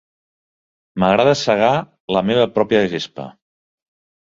M'agrada segar la meva pròpia gespa.